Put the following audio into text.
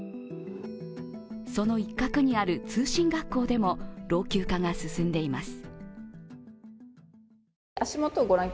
その一角にある通信学校でも老朽化が進んでいます。